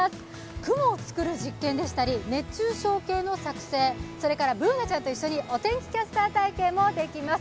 雲を作る実験でしたり、熱中症計の作成、そしてＢｏｏｎａちゃんと一緒にお天気キャスター体験もできます。